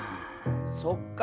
そっか。